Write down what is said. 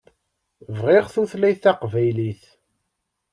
Bɣiɣ tutayt taqbaylit.